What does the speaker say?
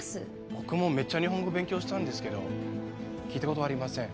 僕もめっちゃ日本語勉強したんですけど聞いたことありません